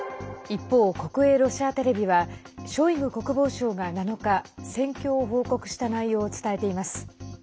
一方、国営ロシアテレビはショイグ国防相が７日戦況を報告した内容を伝えています。